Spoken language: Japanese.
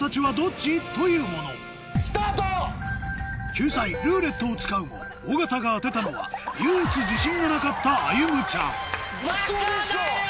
救済「ルーレット」を使うも尾形が当てたのは唯一自信がなかったあゆむちゃんバカだよ！